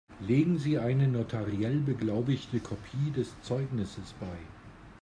Legen Sie eine notariell beglaubigte Kopie des Zeugnisses bei.